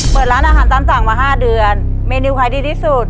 เปิดร้านอาหารตามสั่งมา๕เดือนเมนูขายดีที่สุด